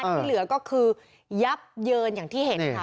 ที่เหลือก็คือยับเยินอย่างที่เห็นค่ะ